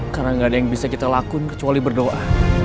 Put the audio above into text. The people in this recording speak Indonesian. karena gak ada yang bisa kita lakuin kecuali berdoa